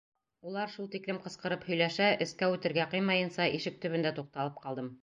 Улар шул тиклем ҡысҡырып һөйләшә, эскә үтергә ҡыймайынса, ишек төбөндә туҡталып ҡалдым.